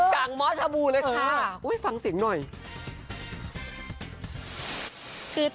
จ้างหม้อชาบูเลยค่ะ